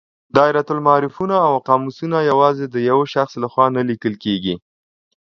دایرة المعارفونه او قاموسونه یوازې د یو شخص له خوا نه لیکل کیږي.